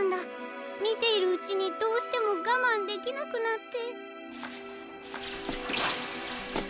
みているうちにどうしてもがまんできなくなって。